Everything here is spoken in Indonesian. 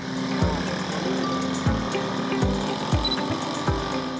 jalan jalan men